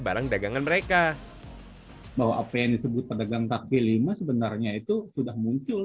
barang dagangan mereka bahwa apa yang disebut pedagang takfi lima sebenarnya itu sudah muncul